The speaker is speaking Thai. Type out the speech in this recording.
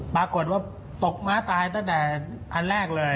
ปรากฏว่าตกม้าตายตั้งแต่อันแรกเลย